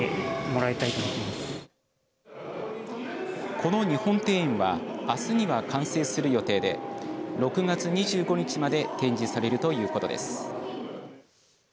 この日本庭園はあすには完成する予定で６月２５日まで展示されるということです。